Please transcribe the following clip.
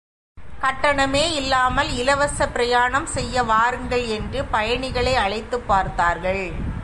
கட்டணமே இல்லாமல் இலவசப் பிரயாணம் செய்ய வாருங்கள் என்று பயணிகளை அழைத்துப் பார்த்தார்கள்.